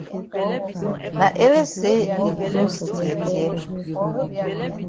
Na ele say the closs tear tear.